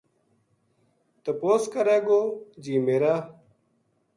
تپوس کرے گو جی میرا